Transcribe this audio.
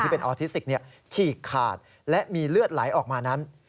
เป็นออทิสติกฉีกขาดและมีเลือดไหลออกมานั้น